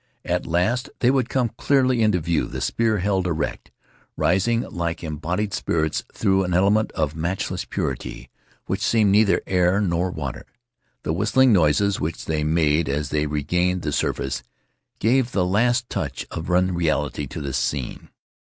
At last they would come clearly into view, the spear held erect, rising like embodied spirits through an element of matchless purity which seemed neither air nor water. The whistling noises which they made as they regained the surface gave the last touch of unreality to the scene.